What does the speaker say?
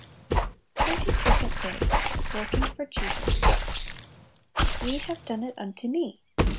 Twenty second Day. Working for Jesus. "Ye have done it unto me."